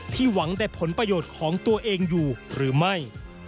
หวังแต่ผลประโยชน์ของตัวเองอยู่หรือไม่